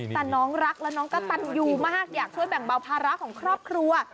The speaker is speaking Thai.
แต่น้องรักและน้องกระตันยูมากอยากช่วยแบ่งเบาภาระของครอบครัว